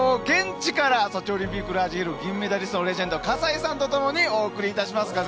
現地からソチオリンピックラージヒル銀メダリストレジェンド・葛西さんとともにお送りします。